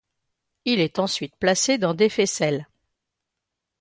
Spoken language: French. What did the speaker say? Il est ensuite placé dans des faisselles.